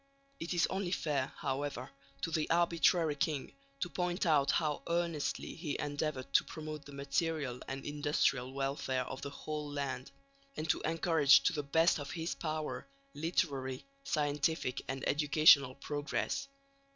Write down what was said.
It is only fair, however, to the arbitrary king to point out how earnestly he endeavoured to promote the material and industrial welfare of the whole land, and to encourage to the best of his power literary, scientific and educational progress.